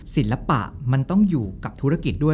ศิลปะมันต้องอยู่กับธุรกิจด้วย